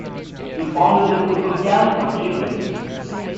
He founded a football camp for children.